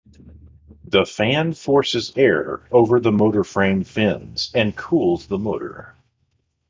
This fan forces air over the motor frame fins, and cools the motor.